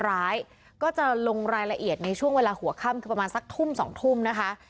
ร้ายก็จะลงรายละเอียดในช่วงเวลาหัวค่ำคือประมาณสักทุ่ม๒ทุ่มนะคะ